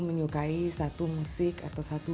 menyukai satu musik atau satu